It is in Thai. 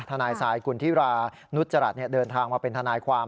ทนายทรายกุณฑิรานุจจรัสเดินทางมาเป็นทนายความ